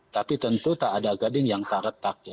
tapi tentu tak ada gading yang tak retak